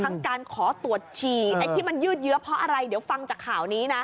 ทั้งการขอตรวจฉี่ไอ้ที่มันยืดเยื้อเพราะอะไรเดี๋ยวฟังจากข่าวนี้นะ